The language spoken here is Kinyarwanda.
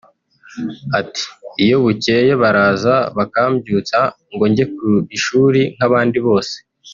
Ati “Iyo bukeye baraza bakambyutsa ngo njye ku ishuri nk’abandi bose